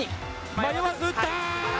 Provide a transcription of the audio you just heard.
迷わず打った！